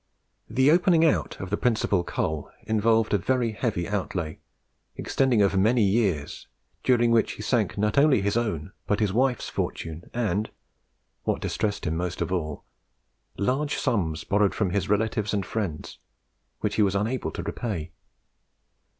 The opening out of the principal coal involved a very heavy outlay, extending over many years, during which he sank not only his own but his wife's fortune, and what distressed him most of all large sums borrowed from his relatives and friends, which he was unable to repay.